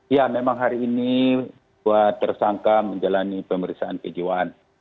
ya memang hari ini dua tersangka menjalani pemeriksaan kejiwaan